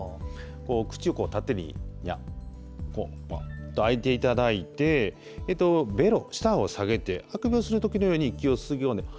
口をこう縦ににゃっと開けていただいてベロ、舌を下げてあくびをする時のように息をするように。